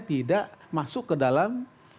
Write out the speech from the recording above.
tidak masuk ke dalam